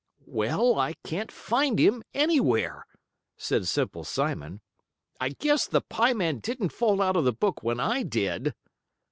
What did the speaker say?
"Well, I can't find him anywhere," said Simple Simon. "I guess the pie man didn't fall out of the book when I did."